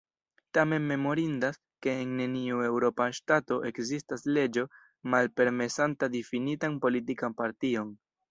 Tamen memorindas, ke en neniu eŭropa ŝtato ekzistas leĝo malpermesanta difinitan politikan partion.